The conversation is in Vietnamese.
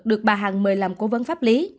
được bà hằng mời làm cố vấn pháp lý